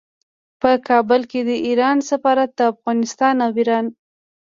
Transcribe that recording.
په کابل کې د ایران سفارت د افغانستان او ایران